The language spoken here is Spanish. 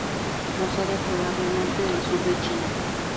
Procede probablemente del sur de China.